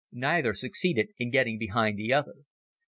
Neither succeeded in getting behind the other.